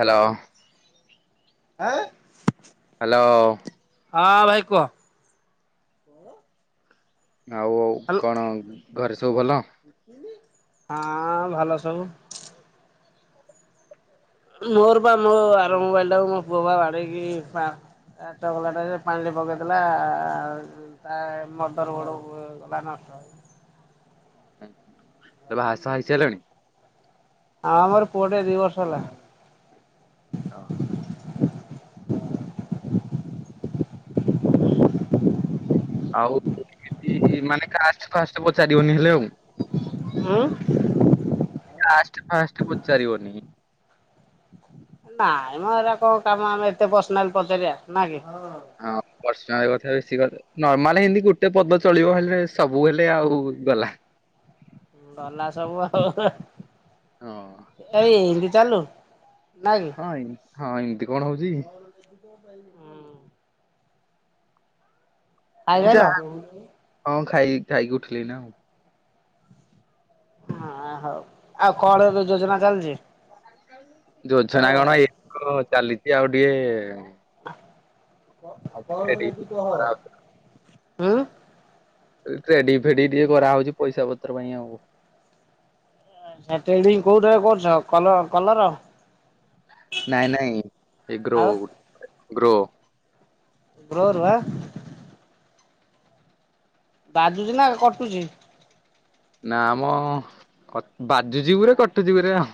Hello. ଆଁ? Hello. ହଁ ଭାଇ କୁହ। ଆଉ ଆଉ କଣ ଘରେ ସବୁ ଭଲ? ହଁ ଭଲ ସବୁ। ମୋର ପା ମୋ ଆର ମୋବାଇଲ ଟାକୁ ମୋ ପୁଅ ପା ବାଡ଼େଇକି ପା ଏ ଚଗଲାଟା ରେ ପାଣି ପକେଇଥିଲା ଆ ତା ମଦର ବୋର୍ଡ ଉ ଗଲା ନଷ୍ଟ ହୋଇ। ଏଇଁ ବାହା ସାହା ହେଇସାରିଲଣି? ଆଁ ମୋର ପୁଅଟେ ଦି ବର୍ଷ ହେଲା। ଓହୋ। ଆଉ ମାନେ କେମତି ମାନେ କାଷ୍ଟ ଫାଷ୍ଟେ ପଚାରିବନି ହେଲେ ଆଉ। ଉଁ? କାଷ୍ଟ ଫାଷ୍ଟେ ପଚାରିବନି। ନାଇଁ ମ ଏରା କଣ କାମ ଆମେ ଏତେ ପର୍ସନାଲ ପଚାରିବା ନା କି? ହଁ ପର୍ସନାଲ କଥା ବେଶି କ ନର୍ମାଲ ହିନ୍ଦି ଗୁଟେ ପଦ ଚଳିବ ହେଲେ ସବୁ ବେଲେ ଆଉ ଗଲା। ଗଲା ସବୁ ଆଉ ହଁ ଏଇ ହିନ୍ଦି ଚାଲୁ। ନାଇଁ। ହଁ ଏମିତି କଣ ହଉଚିକି? ହୁଁ। ଖାଇସାଇଲ? ଯାହା ହଁ ଖାଇ ଖାଇକି ଉଠିଲି ଏଇନା ଆଉ। ହଁ ହଉ ଆଉ କଣ ଏବେ ଯୋଜନା ଚାଲିଚି? ଯୋଜନା କଣ ଇଏ ତ ଚାଲିଚି ଆଉ ଟିକେ ଟ୍ରେଡିଂ ହୁଁ। ରେଡି ଫେଡି ଟିକେ କରାହଉଛି ପଇସା ପତ୍ର ପାଇଁ ଆଉ। ସେଣ୍ଟ୍ରେଟିଙ୍ଗ କୋଉଟାରେ କରୁଚ କଲର କଲର। ନାଇଁ ନାଇଁ ଏ ଗ୍ରୋ ଆଉ ଗ୍ରୋ। ଗ୍ରୋରୁ ଆଁ। ବାଜୁଛି ନା କଟୁଛି? ନା ମ କ ବାଜୁଚି ଗୁରେ ଆଉ କଟୁଚି ଗୁରେ ଆଉ।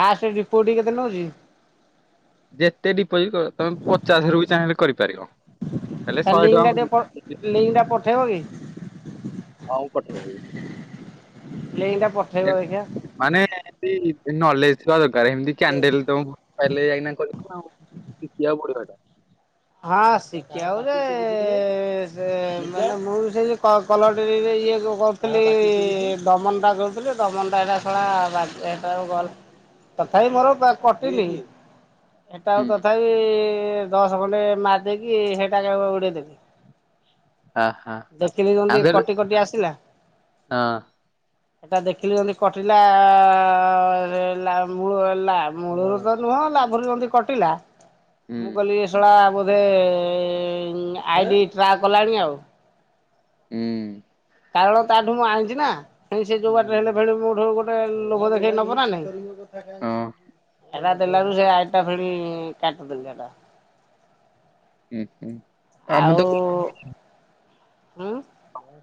ଫାଷ୍ଟ ଡିପୋଜିଟ୍ କେତେ ନଉଚି? ଯେତେ ଡିପୋଜିଟ୍ କର ତମେ ପଚାଶ ରୁ ବି ଚାହିଁଲେ କରିପାରିବ। ହେଲେ ତା ଶହେ ଟଙ୍କା ଲିଙ୍କଟା ଟିକେ ପ କରି- ଲିଙ୍କଟା ପଠେଇବ କି? ହଁ ମୁଁ ପଠେଇଦେବି। ଲିଙ୍କଟା ପ ମାନେ ଏନ୍ତି ନଲେଜ ଥିବା ଦରକାର। ଏମିତି କ୍ୟାଣ୍ଡେଲ ତମକୁ ଫାଇଲେ ଯାଇକିନା କରିବୁନା ଆଉ ଶଖିବାକୁ ପଡିବ ହେଟା। ହଁ ଶିଖିବାକୁ ଯେ ସେ ମାନେ ମୁଁ ବି ସେଇ ଯୋଉ କ କଲର ଟ୍ରେଡିଂ ରେ ଇଏ କରୁ ଥିଲି ଦମନଟା ଦଉଥିଲି ଦମନଟା ଏଇଟା ଶଳା ବାଜେ ହେଟା ସବୁ ଗଲ୍ ତଥାପି ମୋର କଟିନି। ଏଟା ଆଉ ହୁଁ ତଥାପି କଣ୍ଟେ ମାରଦେଇକି ହେଟା ସବୁ ଉଡେଇଦଲି। ଆ ହା ଦେଖିଲି ଯେମିତି ଆଗରେ କଟି କଟି ଆସିଲା ହଁ ଏଟା ଦେଖିଲି ଯେମିତି କଟିଲା-ଲା-ମୁ-ଲା-ମୂଳରୁ ତ ନୁହଁ ଲାଭରୁ ଯେମିତି କଟିଲା। ହୁଁ ମୁଁ କହିଲି ଏ ଶଳା ବୋଧେ ଆଇଡି ଟ୍ରାକ୍ କଲାଣି ଆଉ। ହୁଁ। କାରଣ ତାଠୁ ମୁଁ ଆଣିଛି ନା। ଫେଣି ସେ ଯୋଉ ବାଟରେ ହେଲେ ଫେଣି ମୋଠୁ ଗୋଟେ ଲୋଭ ଦେଖେଇ ନବ ନା ନାଇଁ। ହଁ ହେଟା ଦେଲାରୁ ସେ ଆଇଡି ଫେଣି କାଟିଦେଲି ହେଇଟା। ହୁଁ-ହୁଁ। ଆଉ ହୁଁ।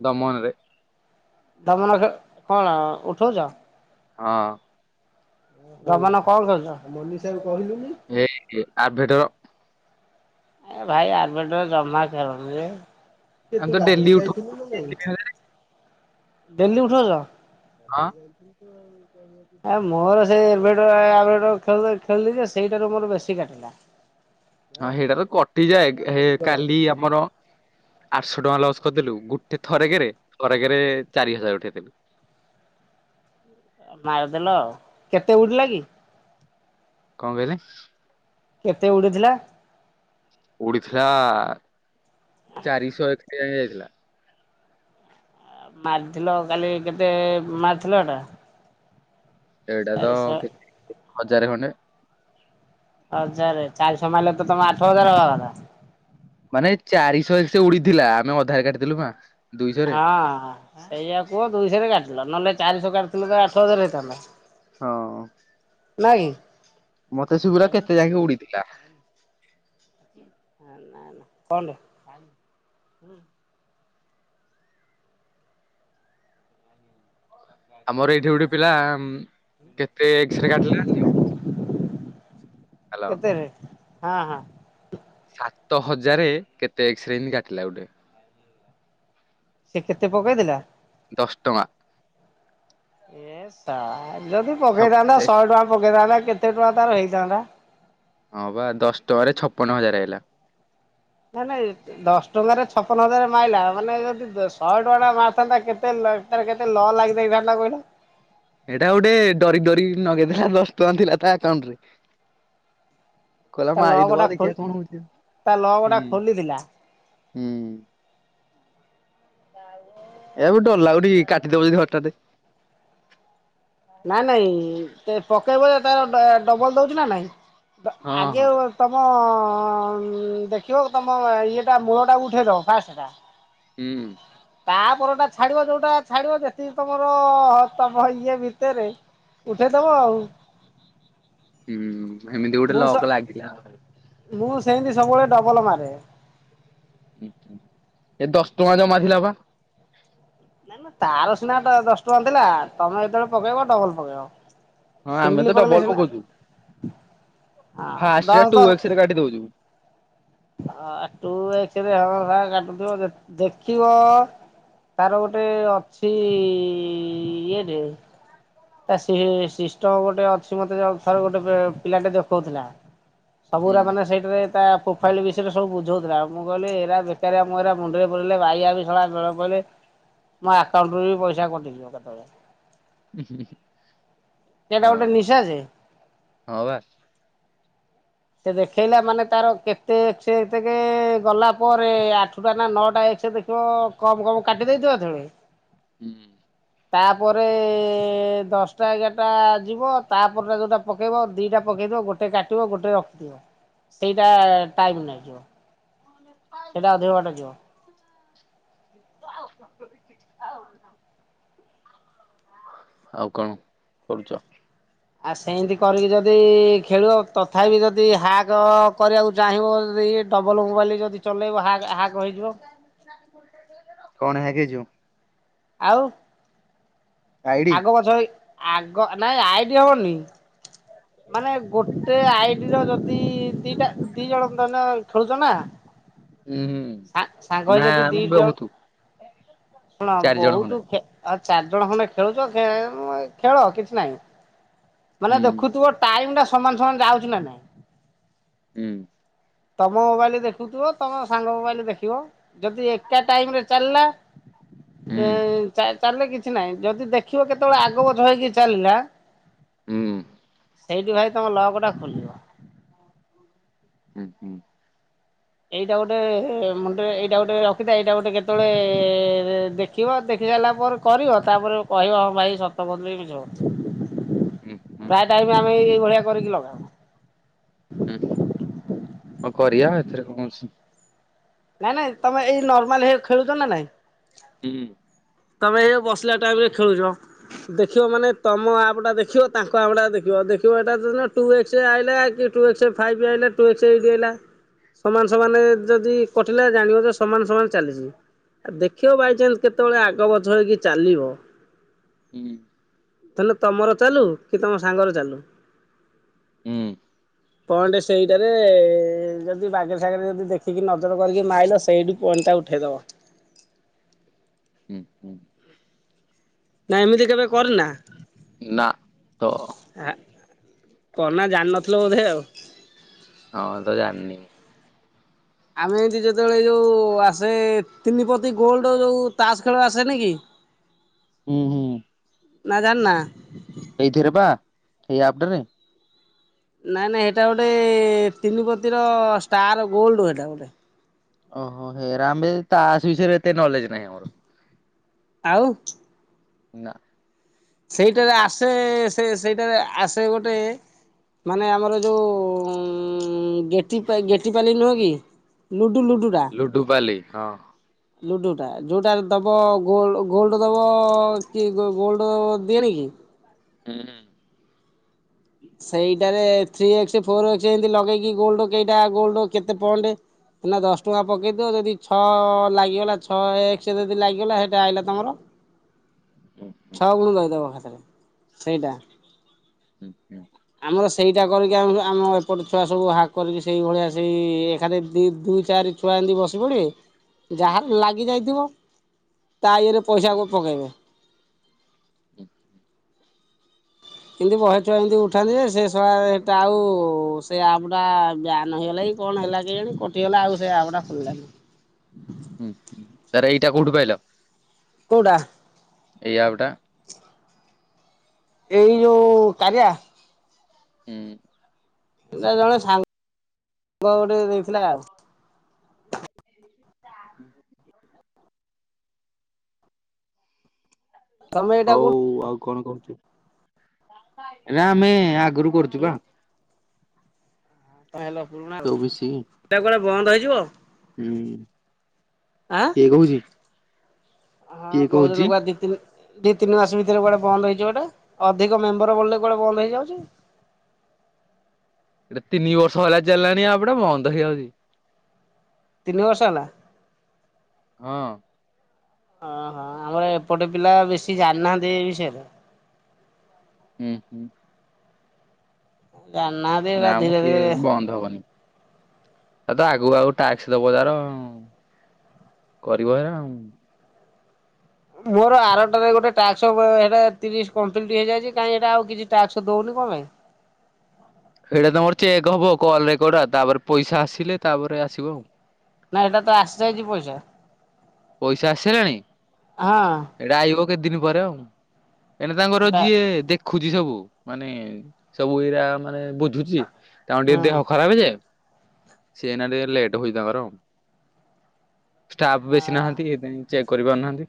ଦମନରେ ଦମନ ଖେ କଣ ଉଠଉଚ? ହଁ। ଦମନ କଣ ଖେଳୁଚ? ହେଇକି ଆଭେଟର ଏ ଭାଇ ଆଭେଟର ଜମା ଖେଳନି ରେ। ଆମେ ତ ଡେଲି ଉଠଉ ଡେଲି ଉଠୋଉଚ? ହଁ ଆ ମୋର ସେଇ ଏବେଟର ଅଭେଟର ଖେଳ ଖେଳିଲି ଯେ ସେଇଟାରୁ ମୋର ବେଶୀ କାଟିଲା। ହଁ ହେଇଟା ତ କଟିଯାଏ। କାଲି ଆମର ଆଠଶହ ଟଙ୍କା ଲସ୍ କରିଦେଲୁ ଗୁଟେ ଥରେକରେ, ଥରେକେରେ ଚାରି ହଜାର ଉଠେଇଦେଲୁ। ଆଉ ମାରିଦେଲା ଆଉ। କେତେ ଉଡିଲା କି? କଁ କଇଲେ? କେତେ ଉଡିଥିଲା? ଉଡିଥିଲା ଚାରିଶ ଏକ ଯାଏଁ ଯାଇଥିଲା। ମାରିଧିଲ କାଲି କେତେ ମାରିଥିଲ ଏଟା? ଏଇଟା ତ ଚାରିଶହ କେ [unintelligible] ହଜାରେ ଖଣ୍ଡେ। ହଜାରେ ଚାରିଶ ମାରିଲେ ତ ତମେ ଆଠ ହଜାର ହବା କଥା। ମାନେ ଚାରିଶ ଏକ ସେ ଉଡିଥିଲା ଆମେ ଅଧାରେ କାଟିଦେଲୁ [unintelligible] ହଁ ସେଇଆ କୁଅ ଦୁଇଶରେ କାଟିିଲ ନହେଲେ ଚାରିଶ କାଟିଥିଲେ ତ ଆଠ ହଜାର ହେଇଥାନ୍ତା। ହଁ। ନା କି। ମତେ ଶୁଭିଲା କେତେ ନା ଯାକେ ଉଡିଥିଲା। ହଁ ନା ନା। ଆମର ଏଇଠି ଗୋଟେ ପିଲା ଉଁ କେତେ ଏକ୍ସରେ କାଟିଲା ହାଲ [unintelligible] ହଁ ହଁ। ସାତ ହଜାରେ କେତେ ଏକ୍ସରେ ଇନ୍ତି କାଟିଲା ଗୋଟେ। ସେ କେତେ ପକେଇ ଦିଲା? ଦଶ ଟଙ୍କା। ଏ ସା ଯଦି ଛପ ପକେଇଥାନ୍ତା ଏକ- ଶହେ ଟଙ୍କା ପକେଇଥାନ୍ତା କେତେ ଟଙ୍କା ତାର ହେଇଥାନ୍ତା? ହଁ ବା ଦଶ ଟଙ୍କାରେ ଛପନ ହଜାରେ ଆଇଲା। ନା ନାଇ। ଦଶ ଟଙ୍କାରେ ଛପନ ହଜାରେ ମାଇଲା ମାନେ ଯଦି ଦ ଶଏ ଟଙ୍କାଟା ମାରିଥାନ୍ତା କେତେ ଲ ତାର କେତେ ଲ ଲାଗିଯାଇଥାନ୍ତା କହିଲ। ହେଇଟା ଗୋଟେ ଡରି ଡରି ନଗେଇ ଦେଲା ଦଶ ଟଙ୍କା ଥିଲା ତା ଆକାଉଣ୍ଟରେ। କଇଲା ତା ଲ ମାରି ଦବା ଗୋଟା ଖୋଲି ଦେଖିବା କଣ ହଉଚି ତା ଲ ଗୋଟା [unintelligible] ହୁଁ। ଖୋଲିଥିଲା। ହୁଁ। [unintelligible] ଏବେ ବି ଡର ଲାଗୁନି କି କାଟି ଦବ ଯଦି ହଠାତେ। ନାଇଁ ନାଇଁ ତେ ପକେଇବ ଯେତେବେଳେ ଡ ଡବଲ୍ ଦଉଚି ନା ନାଇଁ ଡ ହଁ ଆଗେ ବ ତମ ଉଁ ଦେଖିବ ତମ ଇଏଟା ମୂଳଟାକୁ ଉଠେଇଦବ ଫାଷ୍ଟଟା। ହୁଁ। ତାପରଟା ଛାଡିବ ଯୋଉଟା ଛାଡିବ ଯେତିକି ତମର ତମ ଇଏ ଭିତେରେ ଉଠେଇଦବ ଆଉ। ହୁଁ ହେମିତି ଗୋଟେ ମୁଁ ସ ଲକ୍ ଲାଗିଲା। ମୁଁ ସେନ୍ତି ସବୁବେଳେ ଡବଲ ମାରେ। [unintelligible] ଏ ଦଶ ଟଙ୍କା ଯୋଉ ମାରିଥିଲ କଁ। ନା ନା ତାର ସିନା ଡ ଦଶ ଟଙ୍କା ଥିଲା ତମେ ଯେତେବେଳେ ପକେଇବ ଡବଲ୍ ପକେଇବ। ହଁ ଆମେ ସିଙ୍ଗିଲି ତ ପକେଇଲେ ଡବଲ ହେଲା ପକଉଛୁ ଆଁ ଫାଷ୍ଟରେ ଦଶ୍ ଟୁ ଦ ଏକ୍ସ ରେ କାଟି ଦଉଚି ମୁଁ। ଆ ଟୁ ଏକ୍ସରେ! [unintelligible] କାଟୁଥୁବ [unintelligible] ଦେଖିବ ତାର ଗୋଟେ ଅଛି ଇଏଟେ ତା ସି ସିଷ୍ଟମ ଗୋଟେ ଅଛି ମତେ ଥର ଗୋଟେ ବେ ପିଲାଟେ ଦେଖଉଥିଲା। କିଛି ଶବ୍ଦ ଆସୁନି ସବୁଗୁରା ମାନେ ସେଇଟାରେ ତା ଫାଇଲି ବିଷେୟେରେ ସବୁ ବୁଝଉଥିଲା ମୁଁ କଇଲ ଏରା ବେକାରିଆ ମୁଁ ଏରା ମୁଣ୍ଡେରେ ପୁରେଇଲେ ବାଇଆ ହେବି! ! ! ! ! ! ! ! ! ! ବେଳ ପଇଲେ ମୋ ଆକାଉଣ୍ଟରୁ ବି ପଇସା କଟିଯିବ କେତବେଳେ। ଉହୁଁ ଉହୁଁ। ସେଇଟା ଗୋଟେ ନିଶା ଯେ। ହଁ ବା। ସେ ଦେଖେଇଲା ମାନେ ତାର କେତେ [unintelligible] ତେକେ ଗଲା ପରେ ଆଠୁଟା ନା ନଅଟା ଏକ୍ସେ ଦେଖ ତ କମ୍-କମ୍ କାଟି ଦେଇଥିବା [unintelligible] ହୁଁ। ତାପରେ ଦଶଟା ଏଗାରଟା ଯିବ ତାପରେ ଯୋଉଟା ପକେଇବ ଦିଟା ପକେଇଥଦବ ଗୋ ଟେ କାଟିବ ଗୋଟେ ରଖିବ ସେଇଟା ଟାଇମ୍ ନାଗିବ। ହ ଆଉ ଆଉ କଣ କରୁଚ? ଆଉ ସେନ୍ତି କରିକି ଯଦି ଖେଳିବ ତଥାପି ଯଦି ହ୍ୟାଗ କରିବାକୁ ଚାହିଁବ ଯଦି ଡ଼ବଲ ମୋବାଇଲ୍ ଯଦି ଚଲେଇବ ହ୍ୟାଗ-ହ୍ଯାଗ ହେଇଯିବ। କଣ ହ୍ୟାକ୍ ହେଇଯିବ? ଆଉ ଆଇଡି ଆଗ ପଛ ହେଇ ଆଗ ନାଇଁ ଆଇଡି ହଉନି। ମାନେ ଗୋଟେ ଆଇଡି ର ଯଦି ଦିଟା ଦି ଜଣ [unintelligible] ଖେଳୁଚ ନା। ଉଁ ହୁଁ ସା ସାଙ୍ଗ ହେଇ ନା ଯଦି ଦି ଆମେ ଜଣ ବହୁତୁ। ଶୁଣ ଚାରି ଜଣ ବହୁତୁ ଖଣ୍ଡେ ଖେ ଆଉ ଚାରିଜଣ ଖଣ୍ଡେ ଖେଳୁଚ ଖେଳ କିଛି ନାହିଁ। ମାନେ ହୁଁ ଦେଖୁଥିବ ଟାଇମ୍ ଟା ସମାନ-ସମାନ ଯାଉଚି ନା ନାଇଁ। ହୁଁ। ତମ ମୋବାଇଲ୍ ଦେଖୁଥିବ ତମ ସାଙ୍ଗ ମୋବାଇଲ୍ ଦେଖିବ ଯଦି ଏକା ଟାଇମରେ ଚାଲିଲା ହୁଁ ଏଁ-ଚା ଚାଲିଲେ କିଛି ନାହିଁ, ଯଦି ଦେଖିବ କେତବେଳେ ଆଗପଛ ହେଇକି ଚାଲିଲା ହୁଁ। ସେଇଠି ଭାଇ ତମ ଲକ ଟା ଖୋଲିବ। ହୁଁ-ହୁଁ ଏଇଟା ଗୋଟେ ମୁଣ୍ଡରେ ଏଇଟା ଗୋଟେ ରଖିଥା ଏଇଟା ଗୋଟେ କେତବେଳେ ଦେଖ ଦେଖିବ ଦେଖି ସାରିଲା ପରେ କରିବ ତାପରେ କହିବ ହଁ ଭାଇ ସତ କହୁଥିଲେ କି ମିଛ କହୁଛି। ହୁଁ-ହୁଁ ପ୍ରାୟ ଟାଇମି ଆମେ ଏଇ ଭଳିଆ କରିକି ଲଗାଉ। ହୁଁ-ହୁଁ ଆଉ କରିଆ ଏଥିରେ କଣ ଅଛି। ନାଇଁ ନାଇଁ ତମେ ଏଇ ନର୍ମାଲ ହେରେ ଖେଳୁଚ ନା ନାଇଁ? ହୁଁ। ତମେ ଏଇ ବସିଲା ଟାଇମ୍ ରେ ଖେଳୁଚ। ଦେଖିବ ମାନେ ତମ ଆପ୍ ଟା ଦେଖିବ ତାଙ୍କ ଆପ୍ ଟା ଦେଖିବ-ଦେଖିବ ଏଟା [unintelligible] ଟୁ ଏକ୍ସ ଆଇଲା କି ଟୁ ଏକ୍ସେ ଫାଇଭ୍ ଆଇଲା ଟୁ ଏକ୍ସ ଏଇଟି ଆଇଲା ସମାନ ସମାନ ଯଦି କଟିଲା ଜାଣିବ ଯେ ସମାନ-ସମାନ ଚାଲିଚି। ଆ ଦେଖିବ ବାଇଚନ୍ସ କେତେବେଳେ ଆଗ ପଛ ହେଇକି ଚାଲିବ ହୁଁ। ତାଲେ ତମର ଚାଲୁ କି ତମ ସାଙ୍ଗରେ ଚାଲୁ। ହୁଁ। ପଏଣ୍ଟ ସେଇଟାରେ ଯଦି ବାଗେରେ ସାଗେରେ ଯଦି ଦେଖି କି ନଜର କରିକି ମାଇଲ ସେଇଠି ପଏଣ୍ଟ ଟା ଉଠେଇଦବ। ହୁଁ। ନା ଏମିତି କେବେ କରିନା? ନା ତ ଆ କରିନା ଜାଣିନଥିଲ ବୋଧେ ଆଉ। ହଁ ତ ଜାଣିନି। ଆମେ ଏନ୍ତି ଯେତେବେଳେ ଯୋଉ ଆସେ ତିନିପତି ଗୋଲଡ ଯୋଉ ତାସ୍ ଖେଳ ଆସେନି କି। ହୁଁ-ହୁଁ। ନା ଜାଣିନା? ଏଇଥିରେ ବା ଏଇ ଆପଟାରେ। ନାଇଁ ନାଇଁ ହେଇଟା ଗୋଟେ ତିନିପତିର ଷ୍ଟାର ଗୋଲ୍ଡ ହେଟା ଗୋଟେ। ଓହୋ ହେରା ଆମେ ତାସ ବିଷୟରେ ଏତେ ନଲେଜ ନାହିଁ ଆମର। ଆଉ? ନା। ସେଇଟାରେ ଆସେ ସେ ସେଇଟାରେ ଆସେ ଗୋଟେ ମାନେ ଆମର ଯେଉଁ ଗେଟି ପା ଗେଟି ପାଲି ନୁହେଁ କି ଲୁଡ଼ୁ ଲୁଡ଼ୁଟା। ଡୁପାଲି ହଁ। ଲୁଡୁ ଟା ଯୋଉଟା ଦବ ଗୋ ଗୋଲ୍ଡ ଦବ କି ଗୋ ଗୋଲ୍ଡବ ଦିଏନି କି। ହୁଁ ହୁଁ। ସେଇଟାରେ ଥ୍ରୀ ଏକ୍ସ ଫୋର ଏକ୍ସ ଏମତି ଲଗେଇକି ଗୋଲଡ କେଇଟା ଗୋଲ୍ଡ କେତେ ପଏଣ୍ଟ ହେ ନା ଦଶ ଟଙ୍କା ପକେଇଦିଅ ଯଦି ଛଅ ଲାଗିଗଲା ଛଅ ଏକ୍ସ ଯଦି ଲାଗିଗଲା ହେଇଟା ଆଇଲା ତମର [inaudible] ସବୁୁ ଦେଇଦବ ଖାତରେ ସେଇଟା ହୁ ହୁଁ। ଆମର ସେଇଟା କଣକି ଆମ ଆମ ଏପଟେ ଛୁଆ ସବୁ ହାକ୍ କରିକି ସେଇଭଳିଆ ସେଇ ଏକଖାରେ ଦୁଇ ଚାରି ଛୁଆ ଏମିତି ବସି ପଡ଼ିବେ ହୁଁ ଯାହାର ଲାଗି ଯାଇଥିବ ତା ଇଏରେ ପଇସାକୁ ପକେଇବେ। ହୁଁ ହୁଁ। କିନ୍ତୁ ବହେ ଛୁଆ ଏମିତି ଉଠାନ୍ତି ଯେ ସଳା ସେଇଟା ଆଉ ସେ ଆପଟା ବ୍ୟାନ୍ ହେଗଲାକି କଣ ହେଲା କେଜାଣି କଟିଗଲା ଆଉ ସେ ଆପ୍ ଟା ଖୋଲିଲାନି। ହୁଁ ହୁଁ ତାପରେ ଏଇଟା କୋଉଠୁ ପାଇଲ? କୋଉଟା? ଏଇ ଆପ୍ ଟା? ଏଇ ଯୋଉ କାରିଆ? ହୁଁ। ଏଟା ଜଣେ ସାଙ୍ଗ ସାଙ୍ଗ ଗୋଟେ ଦେଇଥିଲା ଆଉ। [unintelligible] ତମେ ଏଇଟା ହଉ କୋଉଠୁ ଆଉ କଣ କରୁଛୁ ନା ଆମେ ଆଗରୁ କରୁଛୁ ଉଁ ବା। ହ ହେଲା ପୁରୁଣା ଆଉ ସବୁ ମିଶିକି ଏଟା କୁଆଡେ ବନ୍ଦ ହେଇଯିବ। ହୁଁ ଆଁ? କିଏ କହୁଛି କିଏ କହୁଛି? ଜିତିଲେ ଦି ତିନି ମାସ ଭିତରେ କୁଆଡେ ବନ୍ଦ ହେଇଯିବ ଏଟା ଅଧିକ ମେମ୍ବର ବଢିଲେ କୁଆଡେ ବନ୍ଦ ହେଇଯାଉଛି। ଏଟା ତିନି ବର୍ଷ ହେଲା ଚାଲିଲାଣି ଆପ୍ ଟା ବନ୍ଦ ହେଇଯାଉଛି। ତିନି ବର୍ଷ ହେଲା? ହଁ। ଓହୋ ଆମର ଏପଟେ ପିଲା ବେଶୀ ଜାଣିନାହାନ୍ତି ଏ ବିଷୟରେ। ହୁଁ ହୁଁ। ଜାଣିନାହାନ୍ତି। ଏରା ନା ମ ଧୀରେ କିଏ ଧୀରେ ବନ୍ଦ ହବନି। ତା ଆଗକୁ ଆଗକୁ ଟାକ୍ସ ଦବ ତାର। କରିବ ହେରା ଆଉ। ମୋର ଆରଟାରେ ଗୋଟେ ଟାସ୍କ୍ ହେରା ତିରିଶ କମ୍ପ୍ଲିଟ୍ ହେଇଯାଇଛି କାହିଁ ହେଟା ଆଉ କିଛି ଟାସ୍କ୍ ଦୋଉନି କଣ ପାଇଁ? ଏଇଟା ତମର ଚେକ୍ ହବ କଲ ରେକର୍ଡ ଆ ତାପରେ ପଇସା ଆସିଲେ ତାପରେ ଆସିବ ଆଉ। ନା ଏଇଟା ତ ଆସିଯାଇଛି ପଇସା। ପଇସା ଆସିସାରିଲାଣି? ହଁ। ଏଇଟା ଆଇବ କେତେ ଦିନ ପରେ ଆଉ। ଏଇନା ତାଙ୍କର ଏଟା ଯିଏ ଦେଖ ଖୁଛି ସବୁ ମାନେ ସବୁ ଏଇରା ମାନେ ବୁଝୁଛି ତାଙ୍କର ଟିକେ ହୁଁ। ଦେହ ଖରାପ ହେ ଯେ ସେ ଏଇନା ଟିକେ ଲେଟ୍ ହଉଛି ତାଙ୍କର ଆଉ। ଷ୍ଟାଫ୍ କେହି ହଁ ନାହାନ୍ତି ଏଥିପାଇଁ ଚେକ୍ କରିପାରୁନାହାନ୍ତି।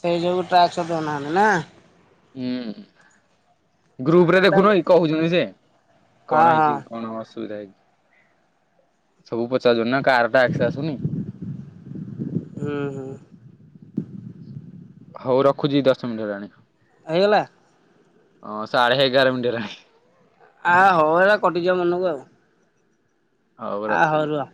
ସେଇ ଯୋଗୁ ଟ୍ରାକସ ଦେଉନାହାନ୍ତି ନା? ହୁଁ ଗ୍ରୁପ ରେ ଏଟା ଦେଖୁନ କି କହୁଛନ୍ତି ସେ। ହଁ କଣ ହଁ ହେଇଚି କଣ ଅସୁବିଧା ହେଇଚି ସବୁ ପଚାରୁଚନି ନା? କାର ଟାକ୍ସ ଆସୁନି ହୁଁ ହୁଁ। ହଉ ରଖୁଚି ଦଶ ମିନିଟ୍ ହେଲାଣି। ହେଇଗଲା। ହଁ ସାଢ଼େ ଏଗାର ମିନିଟ୍ ହେଲାଣି। ଆ ହଉ ଏଗୁରା କଟିଯିବ ମନକୁ ଆଉ। ହଉ ଆ ରଖୁଚି। ରୁହ।